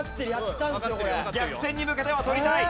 逆転に向けては取りたい。